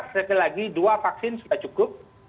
sekali lagi dua vaksin sudah cukup